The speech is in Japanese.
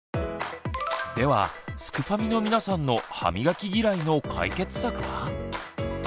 ではすくファミの皆さんの歯みがき嫌いの解決策は？